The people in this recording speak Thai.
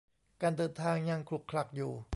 การเดินทางยังขลุกขลักอยู่